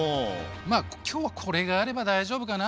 今日はこれがあれば大丈夫かな。